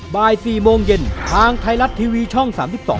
บ่าย๔โมงเย็นทางไทยรัฐทีวีช่อง๓๒